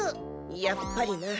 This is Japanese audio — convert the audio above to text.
やっぱりな。